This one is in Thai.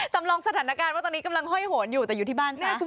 จำลองสถานการณ์ว่าตอนนี้กำลังห้อยโหนอยู่แต่อยู่ที่บ้านซะ